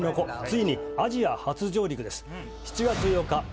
ついにアジア初上陸です７月８日